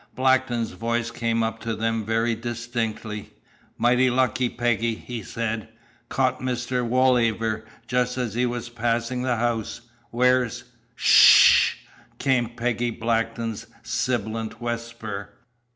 Blackton's voice came up to them very distinctly. "Mighty lucky, Peggy," he said. "Caught Mr. Wollaver just as he was passing the house. Where's " "Sh h hh!" came Peggy Blackton's sibilant whisper.